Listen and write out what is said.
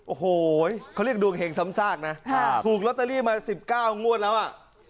โอ้โหเขาเรียกดวงเห็งซ้ำซากนะถูกลอตเตอรี่มา๑๙งวดแล้วอ่ะ